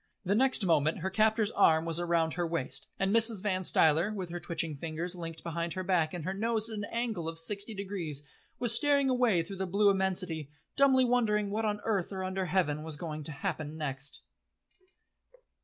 The next moment her captor's arm was round her waist, and Mrs. Van Stuyler, with her twitching fingers linked behind her back, and her nose at an angle of sixty degrees, was staring away through the blue immensity, dumbly wondering what on earth or under heaven was going to happen next.